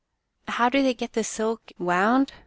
" How do they get the silk wound